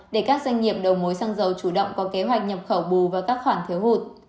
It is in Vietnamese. để các doanh nghiệp đầu mối xăng dầu chủ động có kế hoạch nhập khẩu bù vào các khoản thiếu hụt